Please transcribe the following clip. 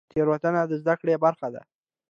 تیروتنه د زده کړې برخه ده؟